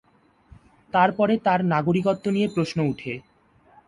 তারপরে তার নাগরিকত্ব নিয়ে প্রশ্ন উঠে।